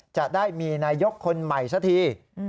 จะได้มีนายกคนใหม่ซะที